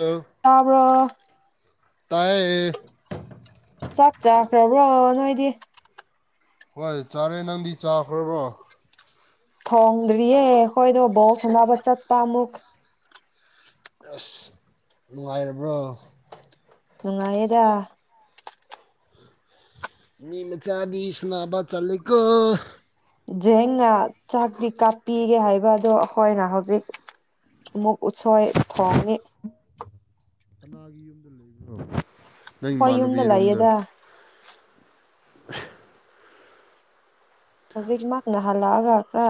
inaudible ꯇꯥꯕ꯭ꯔꯣ ꯇꯥꯌꯦ ꯆꯥꯛ ꯆꯈ꯭ꯔꯕ꯭ꯔꯣ ꯅꯣꯏꯗꯤ ꯍꯣꯏ ꯆꯥꯔꯦ ꯅꯪꯗꯤ ꯆꯥꯈ꯭ꯔꯕꯣ ꯊꯣꯡꯗ꯭ꯔꯤꯌꯦ ꯑꯩꯈꯣꯏꯗꯣ ꯕꯥꯎ ꯁꯥꯎꯅꯕ ꯆꯠꯄ ꯑꯃꯨꯛ ꯑꯁ ꯅꯨꯡꯉꯥꯏꯔꯕ꯭ꯔꯣ ꯅꯨꯡꯉꯥꯏꯌꯦꯗ ꯃꯤ ꯃꯆꯥꯗꯤ ꯁꯅꯥꯕ ꯆꯥꯠꯂꯦꯀꯣ ꯖꯦꯡꯅ ꯆꯥꯛꯇꯤ ꯀꯥꯞꯄꯤꯒꯦ ꯍꯥꯏꯕ ꯑꯗꯣ ꯑꯩꯈꯣꯏꯅ ꯍꯧꯖꯤꯛ ꯃꯨꯛ ꯎꯁꯣꯏ ꯊꯣꯡꯅꯤ ꯀꯅꯥꯒꯤ ꯌꯨꯝꯗ ꯂꯩꯕꯣ ꯅꯪ ꯍꯣꯏ ꯌꯨꯝꯗ ꯏꯃꯥꯟꯅꯕꯤꯔꯣꯝꯗ ꯂꯩꯌꯦꯗ inaudible ꯍꯧꯖꯤꯛꯃꯛꯅ ꯍꯜꯂꯛꯑꯒ ꯈꯔ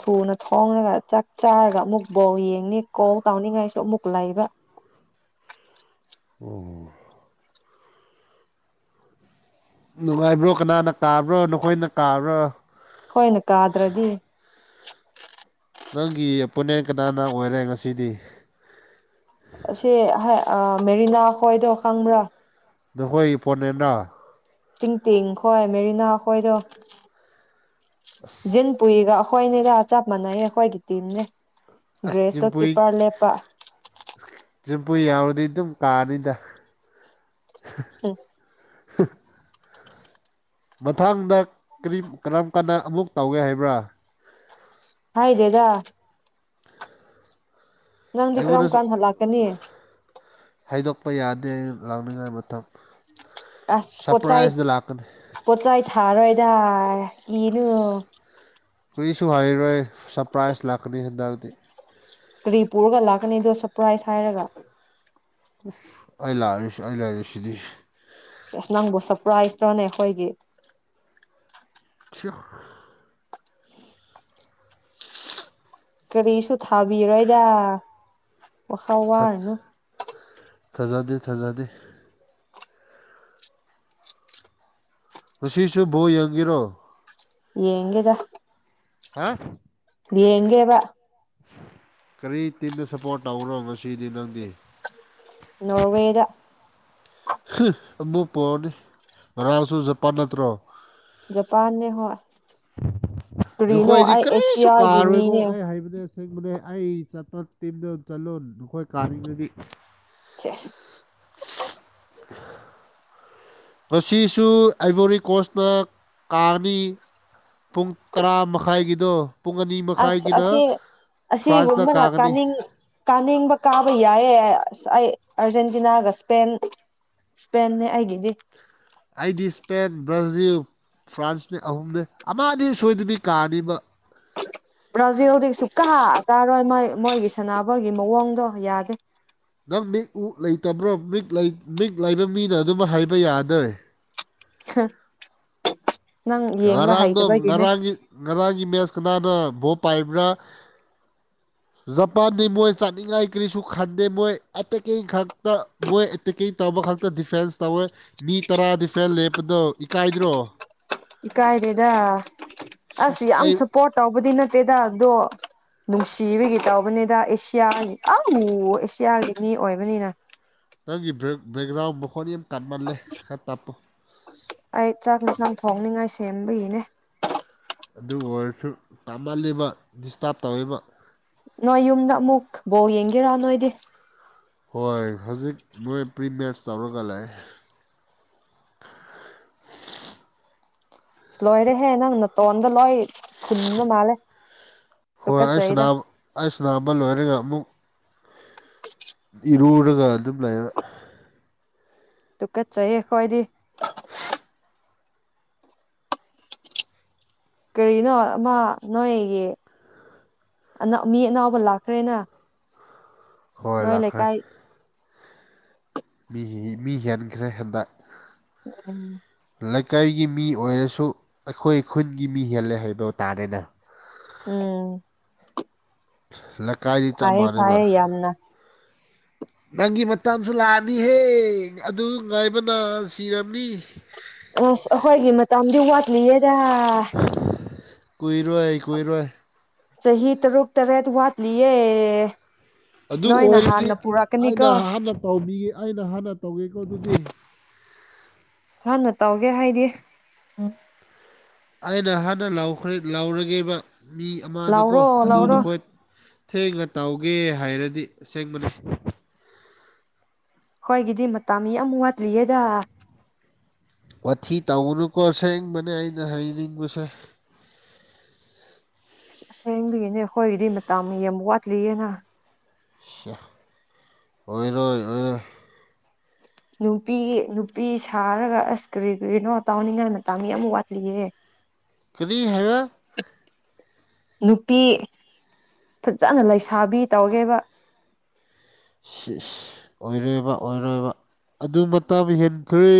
ꯊꯨꯅ ꯊꯣꯡꯉꯒ ꯆꯥꯛ ꯆꯥꯔꯒ ꯑꯃꯨꯛ ꯕꯣꯜ ꯌꯦꯡꯅꯤ ꯀꯜ ꯇꯥꯎꯅꯤꯡꯉꯥꯏꯁꯨ ꯑꯃꯨꯛ ꯂꯩꯕ ꯑꯣꯝ ꯅꯨꯡꯉꯥꯏꯕ꯭ꯔꯣ ꯀꯅꯥꯅ ꯀꯥꯕ꯭ꯔꯣ ꯅꯈꯣꯏꯅ ꯀꯥꯕ꯭ꯔꯣ ꯑꯩꯈꯣꯏꯅ ꯀꯥꯗ꯭ꯔꯗꯤ ꯅꯪꯒꯤ ꯑꯦꯄꯣꯅꯦꯟ ꯀꯅꯥꯅ ꯑꯣꯏꯔꯦ ꯉꯁꯤꯗꯤ ꯑꯁꯦ ꯃꯦꯔꯤꯅꯥ ꯈꯣꯏꯗꯣ ꯈꯪꯕ꯭ꯔꯥ ꯅꯈꯣꯏ ꯏꯄꯣꯅꯦꯅ ꯇꯤꯡ ꯇꯤꯡꯈꯣꯏ ꯃꯦꯔꯤꯅꯥ ꯑꯩꯈꯣꯏꯗꯣ ꯖꯤꯟ ꯄꯨꯏꯒ ꯑꯩꯈꯣꯏꯅꯦꯒ ꯆꯞ ꯃꯥꯟꯅꯩ ꯑꯩꯈꯣꯏꯒꯤ ꯇꯤꯝꯅꯦ ꯑꯁ ꯒ꯭ꯔꯦꯁꯇꯣ ꯖꯤꯝꯄꯨꯏ ꯀꯤꯞꯄꯔ ꯂꯦꯞꯄ ꯖꯤꯝꯄꯨꯏ ꯌꯥꯎꯔꯗꯤ ꯑꯗꯨꯝ ꯀꯥꯔꯅꯤꯗ ꯎꯝ ꯃꯊꯪꯡꯗ ꯀꯔꯤꯝ ꯀꯔꯝ ꯀꯟꯗ ꯑꯃꯨꯛ ꯇꯧꯒꯦ ꯍꯥꯏꯕ꯭ꯔꯥ ꯍꯥꯏ ꯗꯦꯗꯥ ꯅꯪꯗꯤ ꯀ꯭ꯔꯝ ꯑꯩꯉꯣꯟꯗꯁꯨ ꯀꯥꯟ ꯍꯜꯂꯛꯀꯅꯤ ꯍꯥꯏꯗꯣꯛꯄ ꯌꯥꯗꯦ ꯑꯩꯅ ꯂꯥꯛꯅꯤꯡꯉꯥꯏ ꯃꯇꯝ ꯑꯁ ꯄꯣꯠꯆꯩ ꯁꯔꯄ꯭ꯔꯥꯏꯖꯇ ꯂꯥꯛꯀꯅꯤ ꯄꯣꯠꯆꯩ ꯊꯥꯔꯣꯏꯗꯥ ꯀꯤꯅꯨ ꯀꯨꯔꯤꯁꯨ ꯍꯥꯏꯔꯣꯏ ꯁꯔꯄ꯭ꯔꯥꯏꯖ ꯂꯥꯛꯀꯅꯤ ꯍꯟꯗꯛꯗꯤ ꯀꯔꯤꯄꯨꯔꯒ ꯂꯥꯛꯀꯅꯤꯗꯣ ꯁꯄ꯭ꯔꯥꯏꯁ ꯍꯥꯏꯔꯒ ꯑꯁ ꯑꯩ ꯂꯥꯛꯔꯁꯨ ꯑꯩ ꯂꯩꯔꯤꯁꯤꯗꯤ ꯑꯉꯥꯡꯕ ꯁꯔꯄ꯭ꯔꯥꯏꯁ ꯅꯣꯅꯦ ꯑꯩꯈꯣꯏꯒꯤ ꯆꯥ ꯀꯔꯤꯁꯨ ꯊꯥꯕꯤꯔꯣꯏꯗ ꯋꯥꯈꯥꯏ ꯉꯥꯡꯑꯅꯨ ꯊꯥꯖꯗꯦ ꯊꯥꯖꯗꯦ ꯉꯁꯤꯁꯨ ꯕꯣꯜ ꯌꯦꯡꯒꯦꯔꯣ ꯌꯦꯉꯗꯦꯗ ꯍꯥ ꯌꯦꯡꯉꯦꯕ ꯀꯔꯤ ꯇꯤꯝꯅ ꯁꯞꯄꯣꯔꯠ ꯇꯧꯕꯅꯣ ꯉꯁꯤꯗꯤ ꯅꯪꯗꯤ ꯅꯣꯔꯔꯋꯦꯗ ꯍꯨꯡ ꯑꯃꯨꯛ ꯄꯣꯔꯅꯤ ꯉꯔꯥꯡꯁꯨ ꯖꯄꯥꯟ ꯅꯠꯇ꯭ꯔꯣ ꯖꯄꯥꯟꯅꯦ ꯍꯣꯏ ꯀꯔꯤꯅꯣ ꯅꯈꯣꯏꯗꯤ ꯑꯩ ꯀꯔꯤꯁꯨ ꯑꯦꯁꯤꯌꯥꯒꯤ ꯀꯥꯔꯣꯏꯀꯣ ꯃꯤꯅꯦ ꯑꯩ ꯍꯥꯏꯕꯅꯦ ꯑꯁꯦꯡꯕꯅꯦ ꯑꯩ ꯆꯠꯄ ꯇꯤꯝꯗ ꯆꯠꯂꯣ ꯅꯈꯣꯏ ꯀꯥꯅꯤꯡꯉꯗꯤ ꯁꯦꯁ [inaudible] ꯉꯁꯤꯁꯨ ꯑꯩꯕꯣꯔꯤꯀꯣꯁꯅ ꯀꯥꯅꯤ ꯄꯨꯡ ꯇꯔꯥ ꯃꯈꯥꯏꯒꯤꯗꯣ ꯄꯨꯡ ꯑꯅꯤ ꯑꯁ ꯃꯈꯥꯏꯒꯤꯅ ꯑꯁꯤ ꯐ꯭ꯔꯥꯟꯁꯅ ꯑꯁꯤꯒꯨꯝꯕꯅ ꯀꯥꯒꯅꯤ ꯀꯥꯅꯤꯡ ꯀꯥꯅꯤꯡꯕ ꯀꯥꯕ ꯌꯥꯏꯌꯦ ꯑꯁ ꯑꯩ ꯑꯔꯖꯦꯟꯇꯤꯅꯥꯒ ꯏꯁꯄꯦꯟ ꯁꯄꯦꯦꯟꯅꯦ ꯑꯩꯒꯤꯗꯤ ꯑꯩꯗꯤ ꯏꯁꯄꯦꯟ ꯕ꯭ꯔꯥꯖꯤꯜ ꯐ꯭ꯔꯥꯟꯁꯅꯦ ꯑꯍꯨꯝꯅꯤ ꯑꯃꯅꯤ ꯁꯣꯏꯗꯕꯤ ꯀꯥꯅꯤꯕ ꯕ꯭ꯔꯥꯖꯤꯜꯗꯤ ꯁꯨꯛꯀ ꯀꯥꯔꯣꯏ ꯃꯣꯏ ꯃꯣꯏꯒꯤ ꯁꯥꯟꯅꯕꯒꯤ ꯃꯑꯣꯡꯗꯣ ꯌꯥꯗꯦ ꯅꯪ ꯃꯤꯛ ꯎꯛ ꯂꯩꯇꯕ꯭ꯔꯣ ꯃꯤ ꯃꯤꯛ ꯂꯩꯕ ꯃꯤꯅ ꯑꯗꯨꯝ ꯍꯥꯏꯕ ꯌꯥꯗꯦ ꯅꯪ ꯌꯦꯡꯕ ꯉꯔꯥꯡꯗꯣ ꯍꯩꯇꯕꯒꯤꯅꯦ ꯉꯔꯥꯡꯒꯤ ꯉꯔꯥꯡꯒꯤ ꯃꯦꯁ ꯀꯅꯥꯅ ꯚꯣꯜ ꯄꯥꯏꯕ꯭ꯔꯥ [inaudible] ꯖꯄꯥꯟꯗꯤ ꯃꯣꯏ ꯆꯥꯟꯅꯤꯡꯉꯥꯏ ꯀꯔꯤꯁꯨ ꯈꯟꯗꯦ ꯃꯣꯏ ꯑꯦꯇꯦꯛꯀꯤ ꯈꯛꯇ ꯃꯣꯏ ꯑꯦꯇꯦꯛꯀꯤꯡ ꯇꯧꯕ ꯈꯛꯇ ꯗꯤꯐꯦꯟꯁ ꯇꯧꯋꯦ ꯃꯤ ꯇꯔꯥ ꯗꯤꯐꯦꯟ ꯂꯦꯞꯄꯗꯣ ꯏꯀꯥꯏꯗ꯭ꯔꯣ ꯏꯀꯥꯏꯗꯦꯗ ꯑꯁ ꯁꯁ ꯌꯥꯝ ꯑꯩ ꯁꯞꯄꯣꯔꯠ ꯇꯧꯕꯗꯤ ꯅꯠꯇꯦꯗ ꯑꯗꯣ ꯅꯨꯡꯁꯤꯕꯒꯤ ꯇꯧꯕꯅꯤꯗ ꯑꯦꯁꯤꯌꯥꯅꯤ ꯑ ꯅꯣꯔꯠ ꯑꯦꯁꯤꯌꯥꯒꯤ ꯃꯤ ꯑꯣꯏꯕꯅꯤꯅ ꯅꯪꯒꯤ ꯕꯦꯛ ꯕꯦꯛꯒ꯭ꯔꯥꯎꯟ ꯃꯈꯣꯟꯅꯤ ꯌꯥꯝ ꯇꯥꯃꯜꯂꯦ ꯈꯔ ꯇꯞꯄꯣ ꯑꯩ ꯆꯥꯛ ꯍꯤꯁꯥꯡ ꯊꯣꯡꯅꯤꯡꯉꯥꯏ ꯁꯦꯝꯕꯒꯤꯅꯦ ꯑꯗꯨ ꯑꯣꯏꯔꯁꯨ ꯇꯥꯃꯜꯂꯤꯕ ꯗꯤꯁꯇꯥꯔꯕ ꯇꯧꯏꯕ ꯅꯣꯏ ꯌꯨꯝꯗ ꯑꯃꯨꯛ ꯕꯣꯜ ꯌꯦꯡꯒꯦꯔꯥ ꯅꯣꯏꯗꯤ ꯍꯣꯏ ꯍꯧꯖꯤꯛ ꯃꯣꯏ ꯄ꯭ꯔꯤ ꯃꯦꯁ ꯇꯧꯔꯒ ꯂꯩ ꯂꯣꯏꯔꯦꯍꯦ ꯅꯪ ꯅꯇꯣꯟꯗꯣ ꯂꯣꯏ ꯐꯨꯟꯕ ꯃꯥꯜꯂꯦ ꯍꯣꯏ ꯑꯩ ꯇꯨꯀꯠꯆꯩꯗ ꯁꯅꯥꯕ ꯑꯩ ꯁꯅꯥꯕ ꯂꯣꯏꯔꯒ ꯑꯃꯨꯛ ꯏꯔꯨꯔꯒ ꯑꯗꯨꯝ ꯂꯩꯕ ꯇꯨꯀꯠꯆꯩꯌꯦ ꯑꯩꯈꯣꯏꯗꯤ [unintelligible] ꯀꯔꯤꯅꯣ ꯑꯃ ꯅꯣꯏꯒꯤ ꯑ [unintelligible] ꯃꯤ ꯑꯅꯥꯎꯕ ꯂꯥꯛꯈ꯭ꯔꯦꯅ ꯍꯣꯏ ꯅꯣꯏ ꯂꯥꯛꯈ꯭ꯔꯦ ꯂꯩꯀꯥꯏ ꯃꯤ ꯃꯤ ꯍꯦꯟꯈ꯭ꯔꯦ ꯍꯟꯗꯛ ꯎꯝ ꯂꯩꯀꯥꯏꯒꯤ ꯃꯤ ꯑꯣꯏꯔꯁꯨ ꯑꯩꯈꯣꯏ ꯈꯨꯟꯒꯤ ꯃꯤ ꯍꯦꯜꯂꯦ ꯍꯥꯏꯕ ꯇꯥꯔꯦꯅ ꯎꯝ ꯂꯀꯥꯏ ꯐꯥꯏꯌꯦ ꯐꯥꯏꯌꯦ ꯌꯥꯝꯅ ꯅꯪꯒꯤ ꯃꯇꯝꯁꯨ ꯂꯥꯛꯑꯅꯤꯍꯦ ꯑꯗꯨ ꯉꯥꯏꯕꯅ ꯁꯤꯔꯝꯅꯤ ꯑꯁ ꯑꯩꯈꯣꯏꯒꯤ ꯃꯇꯝꯗꯤ ꯋꯥꯠꯂꯤꯌꯦꯗ ꯀꯨꯏꯔꯣꯏ ꯀꯨꯏꯔꯣꯏ ꯆꯍꯤ ꯇꯔꯨꯛ ꯇꯔꯦꯠ ꯋꯥꯠꯂꯤꯌꯦ ꯑꯗꯨ ꯅꯣꯏꯅ ꯑꯣꯏꯔꯗꯤ ꯍꯥꯟꯅ ꯑꯩꯅ ꯄꯨꯔꯛꯀꯅꯤꯀꯣ ꯍꯥꯟꯅ ꯇꯧꯕꯤꯒ ꯑꯩꯅ ꯍꯥꯟꯅ ꯇꯧꯒꯦꯀꯣ ꯑꯗꯨꯗꯤ ꯍꯥꯟꯅ ꯇꯧꯒꯦ ꯍꯥꯏꯗꯤ ꯑꯩꯅ ꯍꯥꯟꯅ ꯂꯥꯎꯈ꯭ꯔꯦ ꯂꯥꯎꯔꯒꯦꯕ ꯃꯤ ꯑꯃꯗꯨꯀꯣ ꯂꯥꯎꯔꯣ ꯑꯗꯨꯗꯣ ꯂꯥꯎꯔꯣ ꯍꯣꯏ ꯊꯦꯡꯅ ꯇꯧꯒꯦ ꯍꯥꯏꯔꯗꯤ ꯑꯁꯦꯡꯕ ꯂꯩ ꯍꯣꯏꯒꯤꯗꯤ ꯃꯇꯝ ꯌꯥꯝ ꯋꯥꯠꯂꯤꯌꯦꯗ ꯋꯥꯊꯤ ꯇꯧꯅꯨꯀꯣ ꯁꯦꯡꯕꯅꯦ ꯑꯩꯅ ꯍꯥꯏꯅꯤꯡꯕꯁꯦ ꯑꯁꯦꯡꯕꯒꯤꯅꯤ ꯑꯩꯈꯣꯏꯒꯤꯗꯤ ꯃꯇꯝ ꯌꯥꯝ ꯋꯥꯠꯂꯤꯌꯦꯅ [unintelligible] ꯑꯣꯏꯔꯣꯏ ꯑꯣꯏꯔꯣꯏ ꯅꯨꯄꯤꯒꯤ ꯅꯨꯄꯤ ꯁꯥꯔꯒ ꯑꯁ ꯀꯔꯤ ꯀꯔꯤꯅꯣ ꯇꯥꯎꯅꯤꯡꯉꯥꯏ ꯃꯇꯝ ꯌꯥꯝ ꯋꯥꯠꯂꯤꯌꯦ ꯀꯔꯤ ꯍꯥꯏꯕ ꯅꯨꯄꯤ ꯐꯖꯅ ꯂꯩꯁꯥꯕꯤ ꯇꯧꯒꯦꯕ ꯁꯤꯁ ꯑꯣꯏꯔꯣꯏꯕ ꯑꯣꯏꯔꯣꯏꯕ ꯑꯗꯨ ꯃꯇꯝ ꯍꯦꯟꯈ꯭ꯔꯦ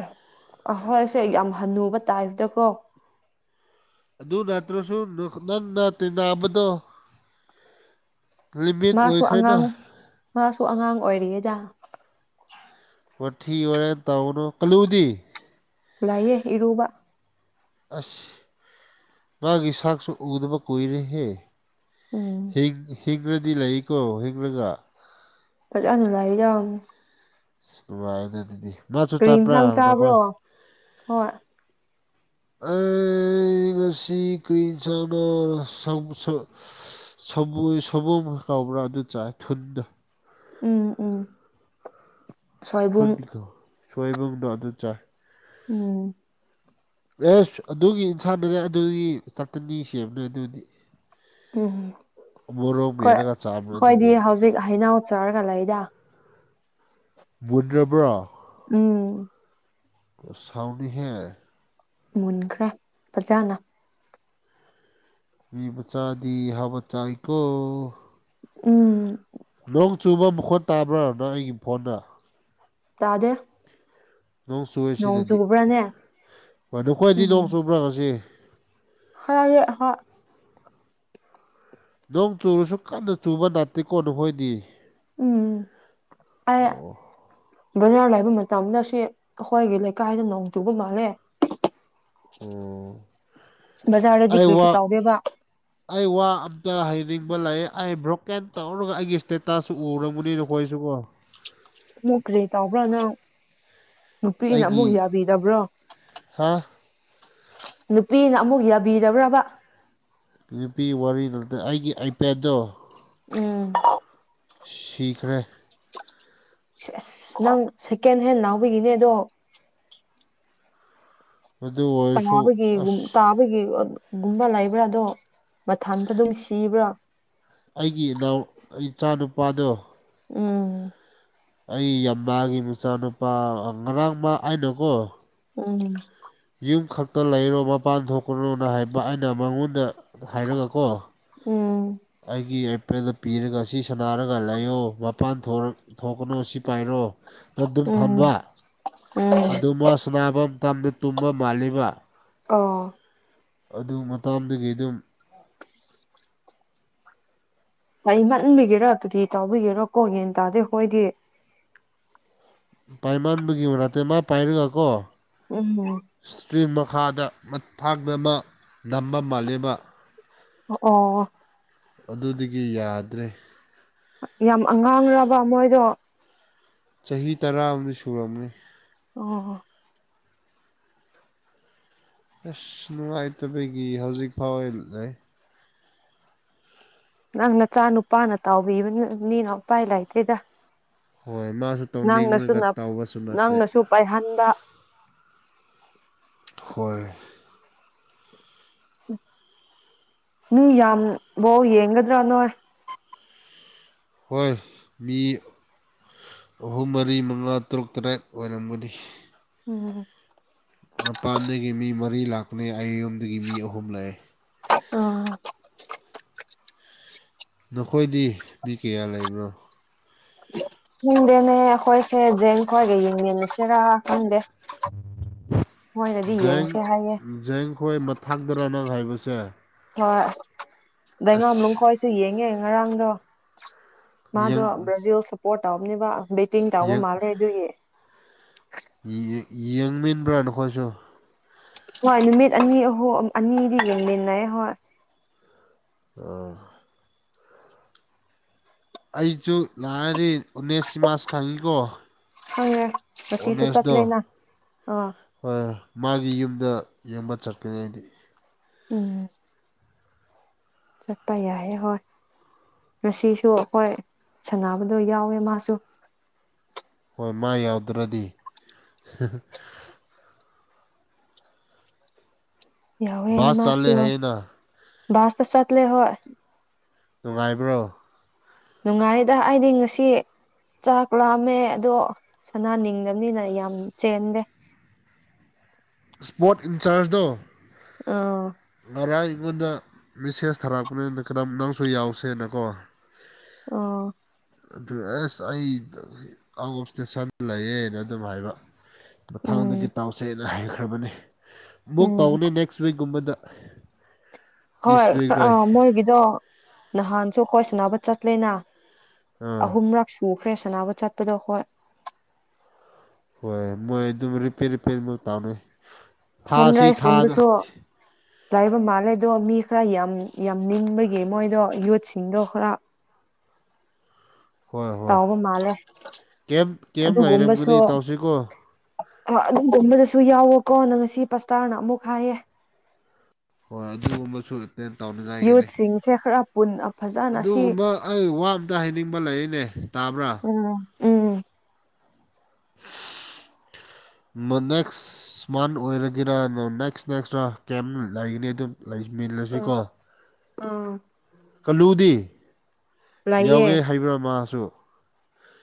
ꯑ ꯑꯍꯣꯏꯁꯦ ꯌꯥꯝ ꯍꯟꯅꯨꯕ ꯇꯥꯏꯞꯇꯀꯣ ꯑꯗꯨ ꯅꯠꯇ꯭ꯔꯁꯨ ꯅꯪ ꯅ ꯇꯤꯟꯅꯕꯗꯣ ꯂꯤꯃꯤꯠ ꯃꯥꯁꯨ ꯑꯣꯏꯈ꯭ꯔꯦꯅ ꯑꯉꯥꯡ ꯃꯥꯁꯨ ꯑꯉꯥꯡ ꯑꯣꯏꯔꯤꯌꯦꯗ ꯋꯥꯊꯤ ꯋꯥꯔꯦꯝ ꯇꯧꯅꯣ ꯀꯂꯨꯗꯤ ꯂꯥꯏꯌꯦ ꯏꯔꯨꯕ ꯑꯁ ꯃꯥꯒꯤ ꯁꯥꯛꯁꯨ ꯎꯗꯕ ꯀꯨꯏꯔꯦꯍꯦ ꯎꯝ ꯍꯤꯡ ꯍꯤꯡꯉ꯭ꯔꯥꯗꯤ ꯂꯩꯀꯣ ꯍꯤꯡꯔꯒ ꯐꯖꯅ ꯂꯩꯌꯣꯡ ꯑꯁ ꯅꯨꯡꯉꯥꯏꯅꯦ ꯑꯗꯨꯗꯤ ꯃꯥꯁꯨ ꯀꯔꯤ ꯆꯠꯄ꯭ꯔꯥ ꯏꯟꯁꯥꯡ ꯆꯥꯕ꯭ꯔꯣ ꯅꯈꯣꯏ ꯍꯣꯏ ꯑꯦ ꯉꯁꯤ ꯀꯔꯤ ꯏꯟꯁꯥꯡꯅꯣ ꯁꯧ ꯁꯧ [unintelligible] ꯀꯧꯕ꯭ꯔꯥ ꯑꯗꯨ ꯆꯥꯏ [unintelligible] ꯎꯝ ꯎꯝ ꯁꯣꯏꯕꯨꯝ [unintelligible] ꯁꯣꯏꯕꯨꯝꯗꯣ ꯑꯗꯨ ꯆꯥꯏ ꯎꯝ ꯑꯦꯁ ꯑꯗꯨꯒꯤ ꯏꯟꯁꯥꯡꯅꯅꯦ ꯑꯗꯨꯗꯤ ꯆꯥꯛꯇꯅꯤ ꯁꯦꯝꯕꯅꯦ ꯑꯗꯨꯗꯤ ꯎꯝ ꯃꯣꯔꯣꯛ ꯈꯣꯏ ꯃꯦꯠꯂꯒ ꯆꯥꯕ꯭ꯔꯥ ꯑꯩꯈꯣꯏꯗꯤ ꯑꯗꯨꯒꯤ ꯍꯧꯖꯤꯛ ꯍꯩꯅꯧ ꯆꯥꯔꯒ ꯂꯩꯗ ꯨꯙꯕꯣ [unintelligible] ꯎꯝ ꯁꯥꯎꯅꯤꯍꯦ ꯃꯨꯟꯈ꯭ꯔꯦ ꯐꯖꯅ ꯃꯤꯕꯆꯥꯥꯗꯤ ꯍꯥꯕ ꯆꯥꯏꯀꯣ ꯎꯝ ꯅꯣꯡ ꯆꯨꯕ ꯃꯈꯣꯟꯠ ꯇꯥꯕ꯭ꯔꯥꯅꯪ ꯑꯩꯒꯤ ꯐꯣꯟꯗ ꯇꯥꯗꯦ ꯅꯣꯡ ꯆꯨꯏꯦ ꯅꯣꯡ ꯁꯤꯗꯗꯤ ꯆꯨꯕ꯭ꯔꯥꯅꯦ ꯍꯣꯏ ꯅꯈꯣꯏꯗꯤ ꯅꯣꯡ ꯆꯨꯕ꯭ꯔꯥ ꯉꯁꯤ ꯈꯔꯑ ꯍꯣꯏ [unintelligible] ꯅꯣꯡ ꯆꯨꯔꯨꯁꯨ ꯀꯟꯅ ꯆꯨꯕ ꯅꯠꯇꯦꯀꯣ ꯅꯈꯣꯏꯗꯤ ꯎꯝ ꯑ [unintelligible] ꯕꯖꯥꯔ ꯂꯩꯕ ꯃꯇꯝꯗ ꯁꯤ ꯑꯩꯈꯣꯏꯒꯤ ꯂꯩꯀꯥꯏꯗ ꯅꯣꯡ ꯆꯨꯕ ꯃꯥꯜꯂꯦ ꯑꯣ ꯕꯖꯥꯔꯗ ꯗꯤ ꯑꯩ ꯀ꯭ꯔꯤꯁꯨ ꯋꯥ ꯇꯥꯎꯗꯦꯕ ꯑꯩ ꯋꯥ ꯑꯝꯇ ꯍꯥꯏꯩꯅꯤꯡꯕ ꯂ ꯑꯩ ꯕ꯭ꯔꯣꯀꯦꯟ ꯇꯧꯔꯒ ꯑꯩꯒꯤ ꯏꯁꯇꯦꯇꯥꯁ ꯁ ꯎꯔꯕꯗꯤꯗꯈꯣꯏꯁꯨ ꯀꯣ [unintelligible] ꯑꯃꯨꯛ ꯀ꯭ꯔꯦ ꯇꯥꯎꯕ꯭ꯔꯥꯅꯪ ꯅꯨꯄꯤꯅ ꯑꯃꯨꯛ ꯌꯥꯕꯤꯗꯕ꯭ꯔꯣ ꯍꯥꯥ ꯅꯨꯄꯤꯅ ꯑꯃꯨꯛ ꯌꯥꯕꯤꯔꯕ꯭ꯔꯕ ꯅꯨꯄꯤ ꯋꯥꯔꯤ ꯅꯠꯇ ꯑꯩꯒꯤ ꯑꯥꯏꯄꯦꯠꯇꯣ ꯎꯝ ꯁꯤꯈ꯭ꯔꯦ ꯑꯁ ꯅꯪ ꯁꯦꯀꯦꯟ ꯍꯦꯟ ꯂꯥꯎꯕꯤꯒꯤꯅꯦ ꯑꯗꯣ ꯑꯗꯨ ꯑꯗꯨ [unintelligible] ꯇꯥꯕꯒꯤ ꯇꯥꯕꯒꯤ ꯒꯨꯝꯕ ꯂꯩꯕ꯭ꯔꯥ ꯑꯗꯣ ꯃꯊꯟꯗ ꯑꯗꯨꯝ ꯁꯤꯕ꯭ꯔꯥ ꯑꯩꯒꯤ ꯏꯅꯥꯎ ꯏꯆꯥ ꯅꯨꯄꯥꯗꯣ ꯎꯝ ꯑꯩ ꯌꯥꯝꯃꯒꯤ ꯃꯆꯥꯅꯨꯄꯥ ꯉꯔꯥꯡ ꯃꯥ ꯍꯥꯏꯅꯨꯀꯣ ꯎꯝ ꯌꯨꯝ ꯈꯛꯇ ꯂꯩꯔꯣ ꯃꯄꯥꯟ ꯊꯣꯛꯈ꯭ꯔꯣꯅ ꯍꯥꯏꯕ ꯑꯩꯅ ꯃꯉꯣꯟꯗ ꯍꯥꯏꯔꯒ ꯀꯣ ꯎꯝ ꯑꯩꯒꯤ ꯑꯦꯝꯄꯦꯗ ꯄꯤꯔꯒ ꯁꯤ ꯁꯥꯟꯅꯔꯒ ꯂꯩꯌꯣ ꯃꯄꯥꯟ ꯊꯣꯛ ꯊꯣꯛꯀꯅꯨ ꯁꯤ ꯄꯥꯏꯔꯣ ꯑꯗꯨꯝ ꯎꯝ ꯊꯝꯕ ꯎꯝ ꯑꯗꯨꯃꯁꯅꯥꯐꯝ ꯇꯝꯗ ꯇꯨꯝꯕ ꯃꯥꯜꯂꯤꯕ ꯑꯣ ꯑꯗꯨ ꯃꯇꯝꯗꯨꯗꯒꯤ ꯑꯗꯨꯝ ꯀꯔꯤ ꯃꯟꯕꯤꯒꯦꯔꯥ ꯀꯔꯤ ꯇꯥꯎꯕꯤꯒꯦꯔ ꯀꯣ ꯌꯦꯟ ꯇꯥꯗꯦ ꯍꯣꯏꯗꯤ ꯄꯥꯏꯃꯥꯟꯕꯒꯤ ꯃꯅꯥꯠꯇꯦ ꯃꯥ ꯄꯥꯏꯔꯒ ꯀꯣ ꯎꯝ ꯏꯁꯇ꯭ꯔꯤꯡ ꯃꯈꯥꯗ ꯊꯥꯛꯅꯕ ꯅꯝꯕ ꯃꯥꯜꯂꯤꯕ ꯑꯣ ꯑꯗꯨꯗꯒꯤ ꯌꯥꯗ꯭ꯔꯦ ꯌꯥꯝ ꯑꯉꯥꯡꯂ ꯃꯣꯏꯗꯣ ꯆꯍꯤ ꯇꯔꯥꯍꯨꯝꯗꯣꯏ ꯁꯨꯨꯔꯕꯅꯤ ꯑꯣ ꯍꯣ ꯑꯁ ꯅꯨꯡꯉꯥꯏꯇꯕꯒꯤ ꯍꯧꯖꯤꯛ ꯐꯥꯎ ꯂꯩ ꯅꯪ ꯅꯆꯥ ꯅꯨꯄꯥꯅ ꯇꯥꯎꯕꯤꯕ ꯃꯤꯅ ꯎꯄꯥꯏ ꯂꯩꯥꯏꯇꯩꯗ ꯍꯣꯏ ꯃꯥꯁꯨ ꯇꯧꯅꯤꯡꯉꯒ ꯇꯧꯕꯁꯨ ꯅꯠꯇꯦ ꯅꯪꯅꯁꯨ ꯄꯥꯏꯍꯟꯕ ꯍꯣꯏ ꯅꯅꯨꯡ ꯌꯥꯝꯕꯣ ꯌꯦꯡꯒꯗ꯭ꯔꯥ ꯅꯣꯏ ꯍꯣꯏ ꯃꯤ ꯑꯍꯨꯝ ꯃꯔꯤ ꯃꯉꯥ ꯇꯔꯨꯛ ꯇꯔꯦꯠ ꯑꯣꯏꯔꯝꯒꯅꯤ ꯎꯝ ꯃꯄꯥꯟꯗꯒꯤ ꯃꯤ ꯃꯔꯤ ꯂꯥꯛꯄꯅꯦ ꯑꯩ ꯌꯨꯝꯝꯗꯒꯤ ꯃꯤ ꯑꯍꯨꯝ ꯂꯥꯛꯑꯦ ꯑꯣ ꯅꯈꯣꯏꯗꯤ ꯃꯤ ꯀꯌꯥ ꯂꯩꯕ꯭ꯔꯣ ꯈꯪꯗꯦꯅꯦ ꯑꯩꯈꯣꯏꯁꯦ ꯖꯦꯡ ꯈ꯭ꯋꯥꯒ ꯌꯦꯡꯃꯤꯟꯅꯁꯤꯔ ꯈꯪꯗꯦ ꯃꯣꯏꯅꯗꯤ ꯌꯦꯡꯁꯦ ꯖꯦꯡ ꯍꯥꯏꯌꯦꯦ ꯖꯦꯡꯈꯣꯏ ꯑꯃ ꯊꯥꯡꯗꯔꯅ ꯍꯥꯏꯕꯁꯦ ꯍꯣꯏ ꯗꯩꯉꯥꯝ ꯑꯁ ꯂꯅꯨꯡꯈꯣꯏꯁꯨ ꯌꯦꯡꯉꯦ ꯉꯔꯥꯡꯗꯣ ꯃꯥꯗꯣ ꯌꯦꯡ ꯕ꯭ꯔꯥꯖꯤꯜ ꯁꯄꯣꯔꯠ ꯇꯧꯕꯅꯦꯕ ꯕꯦꯇꯤꯡ ꯇꯧꯕ ꯌꯦꯡ ꯃꯥꯜꯂꯦ ꯑꯗꯨꯒꯤ ꯌꯦꯡꯃꯤꯟꯕ꯭ꯔꯥ ꯅꯈꯣꯏꯁꯨ ꯍꯣꯏ ꯅꯨꯃꯤꯠ ꯑꯅꯤ ꯑꯍꯨꯝ ꯑꯅꯤꯗꯤ ꯌꯦꯡꯃꯤꯟꯅꯩ ꯍꯣꯏ ꯎ ꯑꯩꯁꯨ ꯂꯥꯛꯑꯗꯤ ꯑꯣꯅꯦꯁ ꯁꯤꯃꯥꯁ ꯈꯪꯉꯤꯀꯣ ꯈꯪꯉꯦ ꯉꯁꯤꯁꯨ ꯆꯠꯂꯦꯅ ꯑꯥ ꯍꯣꯏꯣꯏ ꯃꯥꯒꯤ ꯌꯨꯝꯗ ꯌꯦꯡꯕ ꯆꯠꯀꯅꯤ ꯑꯩꯗꯤ ꯎꯝ ꯆꯠꯄ ꯌꯥꯏꯍꯦ ꯍꯣꯏ ꯉꯁꯤꯁꯨ ꯑꯩꯈꯣꯏ ꯁꯅꯥꯅꯕꯗꯣ ꯌꯥꯎꯋꯦ ꯃꯥꯁꯨ ꯍꯣꯏ ꯃꯥ ꯌꯥꯎꯗ꯭ꯔꯗꯤ ꯌꯥꯎꯦ ꯕꯥꯁ ꯃꯥꯁꯤ ꯆꯠꯂꯦ ꯌꯣ ꯍꯥꯏꯌꯦꯅ ꯁ ꯇ ꯆꯠ ꯂꯩꯦ ꯍꯣ ꯅꯨꯡꯉꯥꯏꯕ꯭ꯔꯣ ꯅꯨꯡꯉꯥꯏꯔꯤꯗ ꯑꯩꯗꯤ ꯉꯁꯤ ꯆꯥꯛ ꯂꯥꯑꯝꯃꯦ ꯑꯗꯣ ꯁꯅꯥ ꯅꯤꯡꯗꯕꯅꯤꯅ ꯌꯥꯝ ꯆꯦꯟꯗꯦ ꯏꯁ꯭ꯄꯣꯔꯠ ꯏꯟꯆꯥꯔꯖꯗꯣ ꯑꯥ ꯉꯔꯥꯡ ꯑꯩꯉꯣꯟꯗ ꯃꯦꯁꯦꯖ ꯊꯥꯔꯛꯄꯅꯤꯅ ꯈꯤꯗꯥ ꯅꯪꯁꯨ ꯌꯥꯎꯁꯦꯅꯀꯣ ꯑꯣ ꯑꯗꯨ S I out of station ꯂꯩꯌꯦꯅ ꯑꯗꯨꯝ ꯍꯥꯏꯕ ꯃꯊꯪꯗꯒꯤ ꯎꯝ ꯇꯥꯎꯁꯩꯑꯅ ꯍꯩꯈ꯭ꯔꯕꯅꯤ ꯛ ꯎꯝ ꯇꯧꯅꯤ ꯅꯦꯛꯁ ꯋꯤꯛꯀꯨꯝꯕꯗ ꯍ ꯗꯤꯁ ꯋꯤꯛ ꯑ ꯔꯥꯏ ꯃꯣꯏ ꯑꯗꯣ ꯅꯍꯥꯟꯁꯨ ꯑꯩꯈꯣꯏ ꯁꯅꯕ ꯆꯠꯂꯦꯅ ꯑꯥ ꯑꯍꯨꯝꯔꯛ ꯄꯨꯈ꯭ꯔꯦ ꯁꯅꯥꯕꯨ ꯆꯠꯄꯗꯣ ꯍꯈꯣꯏ ꯍꯣꯏ ꯃꯣꯏ ꯑꯗꯨꯝ ꯔꯤꯄꯦ ꯔꯤꯄꯦꯔ ꯃ ꯇꯥꯎꯅꯩ ꯅꯟ꯭ꯔꯥꯏꯁ ꯃꯗꯁꯨꯣ ꯂꯥꯛꯕ ꯃꯥꯜꯂꯦꯗꯣ ꯃꯤ ꯈꯔ ꯌꯥꯝ ꯌꯥꯝ ꯅꯤꯡꯕꯒꯤ ꯃꯣꯏꯗꯣ ꯌꯨꯠꯁꯤꯡꯗꯣ ꯈꯔ ꯍꯣꯏ ꯍꯣꯏ ꯇꯥꯎꯕ ꯃꯥꯜꯂꯦ ꯀꯦꯝ ꯀꯦꯝ ꯑꯗꯨꯒꯨꯝꯕꯁꯨ ꯂꯩꯔꯝꯒꯅꯤ ꯑ ꯇꯧꯁꯤꯀꯣ ꯑꯗꯨꯒꯨꯝꯕꯗꯁꯨ ꯌꯥꯎꯋꯣꯀꯣ ꯅꯪ ꯉꯁꯤ ꯄꯁꯇꯥꯔꯅ ꯑꯃꯨꯛ ꯍꯥꯏꯌꯦ ꯍꯣꯏ ꯑꯗꯨꯒꯨꯝꯕꯁꯨ ꯇꯧ ꯌꯨꯠꯁꯤꯡꯁꯦ ꯈꯔ ꯄꯨꯟꯅ ꯐꯖ ꯑꯗꯨꯒꯨꯝꯕ ꯑꯩ ꯋꯥ ꯑꯝꯇ ꯍꯥꯏꯅꯤꯡꯕ ꯂꯩꯔꯤꯅꯦ ꯇꯥꯕ꯭ꯔꯥ ꯎꯝ ꯎꯝ [unintelligible] ꯃꯅꯛꯁ ꯁꯨꯃꯥꯟ ꯑꯣꯏꯔꯒꯦꯔꯥ ꯅ ꯅꯦꯛꯁ ꯅꯦꯛꯁꯇꯔꯥ ꯀꯦꯝ ꯂꯩꯒꯅꯤ ꯑꯗꯨꯝ ꯎꯝ ꯂꯩꯃꯤꯜꯂꯁꯤꯀꯣ ꯎꯝ ꯑꯜꯂꯨꯗꯤ ꯂꯩꯌꯦ ꯌꯥꯎꯒꯦ ꯍꯥꯏꯕ꯭ꯔꯥ ꯃꯥꯁꯨ